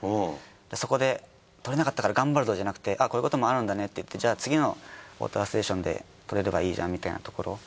そこで取れなかったから頑張るぞじゃなくてあっこういうこともあるんだねっていってじゃあ次のウォーターステーションで取れればいいじゃんみたいなところ？